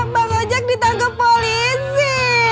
bang ojak ditangkap polisi